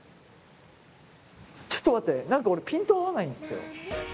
ちょっと待って何か俺ピント合わないんですけど。